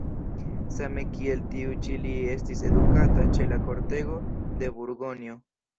Same kiel tiu ĉi li estis edukata ĉe la kortego de Burgonjo.